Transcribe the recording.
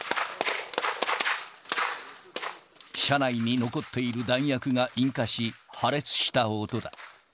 車内に残っている弾薬が引火し、破裂した音だ。